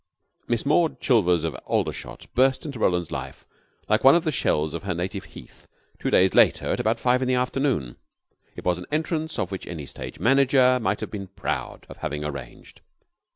Miss Maud Chilvers, of Aldershot, burst into Roland's life like one of the shells of her native heath two days later at about five in the afternoon. It was an entrance of which any stage manager might have been proud of having arranged.